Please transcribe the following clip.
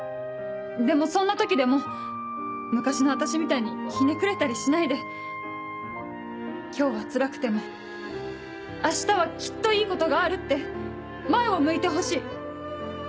でもそんな時でも昔の私みたいにひねくれたりしないで今日はつらくても明日はきっといいことがあるって前を向いてほしい。